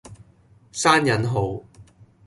閂引號